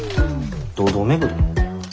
堂々巡り？